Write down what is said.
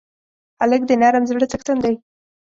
هلک د نرم زړه څښتن دی.